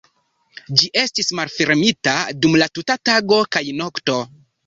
Ĝi estis malfermita dum la tuta tago kaj nokto.